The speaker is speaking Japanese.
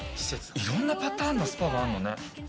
いろんなパターンのスパがあるのね。